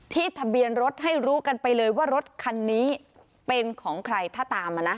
ทะเบียนรถให้รู้กันไปเลยว่ารถคันนี้เป็นของใครถ้าตามมานะ